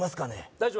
大丈夫